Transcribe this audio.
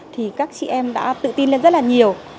thì các chị em đã tự tin lên rất là nhiều